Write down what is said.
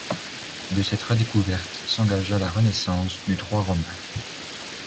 De cette redécouverte s'engagea la renaissance du droit romain.